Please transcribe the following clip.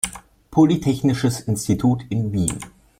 Polytechnisches Institut in Wien.